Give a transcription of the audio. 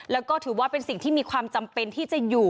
แล้วก็ถือว่าเป็นสิ่งที่มีความจำเป็นที่จะอยู่